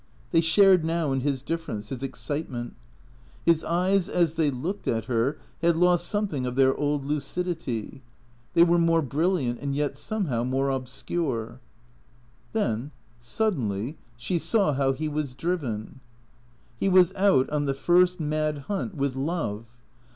They sliarcd now in his difference, his excite ment. His eyes as they looked at her had lost something of their THE CREATORS 9 old lucidity. They were more brilliant and yet somehow more obscure. Then, suddenly, she saw how he was driven. He was out on the first mad hunt with love.